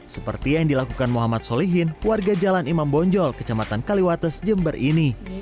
seperti yang dilakukan muhammad solihin warga jalan imam bonjol kecamatan kaliwates jember ini